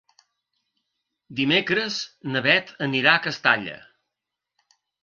Dimecres na Beth anirà a Castalla.